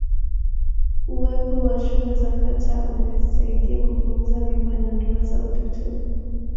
uwepo wa shule za kata umesaidia kupunguza mimba na ndoa za utotoni